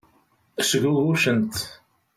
Sgugucent.